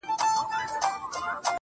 ه تا ويل اور نه پرېږدو تنور نه پرېږدو.